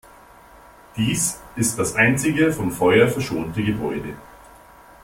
Dies ist das einzige vom Feuer verschonte Gebäude.